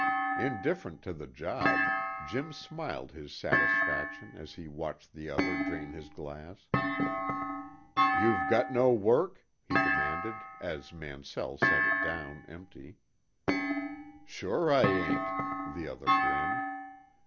Indifferent to the gibe, Jim smiled his satisfaction as he watched the other drain his glass. "You've got no work?" he demanded, as Mansell set it down empty. "Sure I ain't," the other grinned.